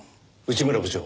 内村部長